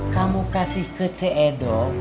kamu kasih ke cee edo